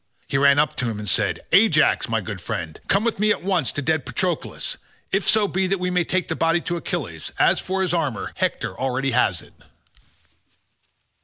He ran up to him and said, "Ajax, my good friend, come with me at once to dead Patroclus, if so be that we may take the body to Achilles—as for his armour, Hector already has it."